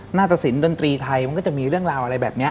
ตสินดนตรีไทยมันก็จะมีเรื่องราวอะไรแบบนี้